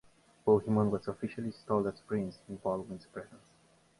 Bohemond was officially installed as prince in Baldwin's presence.